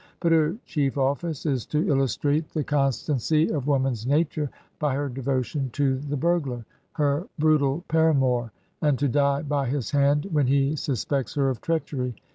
But her chief office is to illustrate the con stancy of woman's nature by her devotion to the bur glar, her brutal paramour, and to die by his hand when he suspects her of treachery.